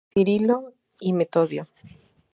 Cirilo y Metodio".